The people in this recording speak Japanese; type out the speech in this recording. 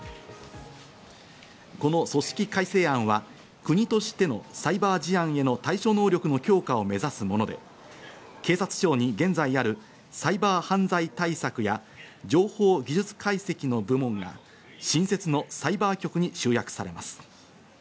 この組織改正案は国としてのサイバー事案への対処能力の強化を目指すもので、警察庁に現在あるサイバー犯罪対策や情報技術解析の部門が新設のサイバー局に集約されます。